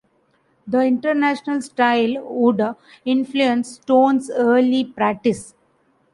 The International Style would influence Stone's early practice.